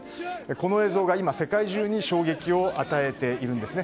この映像が今、世界中に衝撃を与えているんですね。